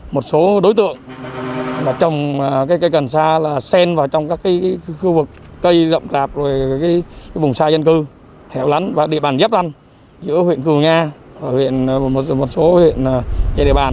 một số đối tượng trồng cây cần xa là sen vào trong các khu vực cây rộng rạp bùng xa dân cư hẻo lắn và địa bàn dấp lăn giữa huyện cường nga và một số huyện chế địa bàn